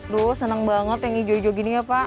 loh seneng banget yang ijo ijo gini ya pak